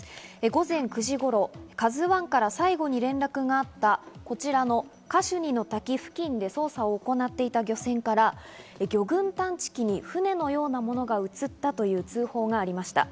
午前９時頃、「ＫＡＺＵ１」から最後に連絡があったこちらのカシュニの滝付近で捜査を行っていた漁船から魚群探知に船のようなものが映ったとの通報がありました。